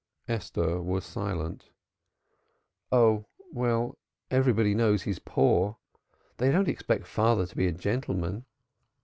Esther was silent. "Oh, well, everybody knows he's poor. They don't expect father to be a gentleman."